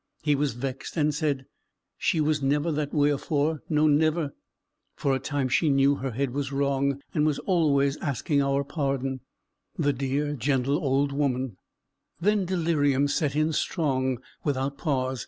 He was vexed, and said, "She was never that way afore; no, never." For a time she knew her head was wrong, and was always asking our pardon the dear, gentle old woman: then delirium set in strong, without pause.